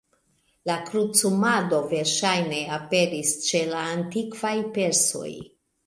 La krucumado verŝajne aperis ĉe la antikvaj persoj.